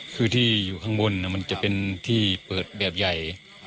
คือที่อยู่ข้างบนมันจะเป็นที่เปิดแบบใหญ่